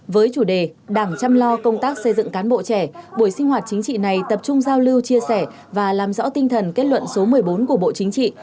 với chủ đề đảng chăm lo công tác xây dựng cán bộ trẻ buổi sinh hoạt chính trị này tập trung giao lưu chia sẻ và làm rõ tinh thần kết luận số một mươi bốn của bộ chính trị